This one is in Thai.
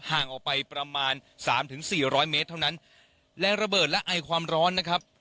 ห่างออกไปประมาณสามถึงสี่ร้อยเมตรเท่านั้นแรงระเบิดและไอความร้อนนะครับ